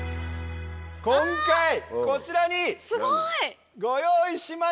今回こちらにご用意しました！